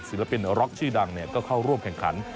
ศิลปินร็อกชื่อดังก็เข้าร่วมแข่งขัน